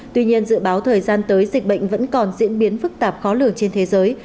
tuy nhiên dự báo thời gian tới dịch bệnh vẫn còn diễn biến phức tạp khó lường trên thế giới